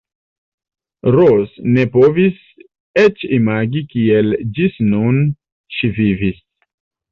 Ros ne povis eĉ imagi kiel ĝis nun ŝi vivis.